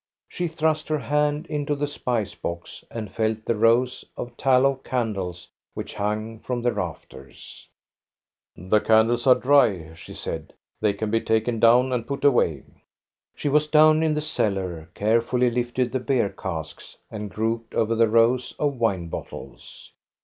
She thrust her hand into the spice box, and felt the rows of tallow candles which hung from the rafters. " The candles are dry," she said. " They can be taken down and put away." She was down in the cellar, carefully lifted the beer casks, and groped over the rows of wine bottles.